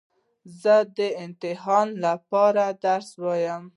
زه د امتحان له پاره درس وایم.